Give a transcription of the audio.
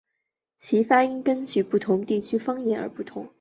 其发音根据不同地理方言而不同。